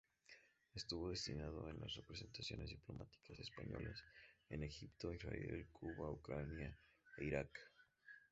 Estuvo destinado en las representaciones diplomáticas españolas en Egipto, Israel, Cuba, Ucrania e Irak.